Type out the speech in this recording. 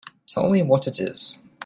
Tell me what it is.